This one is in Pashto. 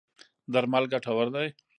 درمل ګټور دی.